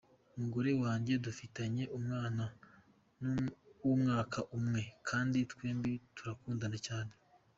Umugore wanjye dufitanye umwana w’ umwaka umwe kandi twembi turakundana cyane.